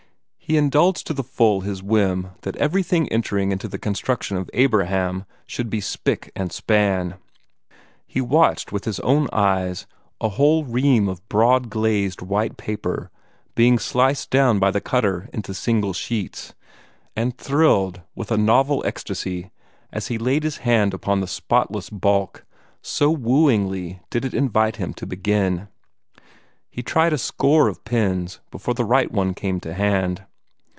He indulged to the full his whim that everything entering into the construction of "Abraham" should be spick and span. He watched with his own eyes a whole ream of broad glazed white paper being sliced down by the cutter into single sheets, and thrilled with a novel ecstasy as he laid his hand upon the spotless bulk, so wooingly did it invite him to begin. He tried a score of pens before the right one came to hand.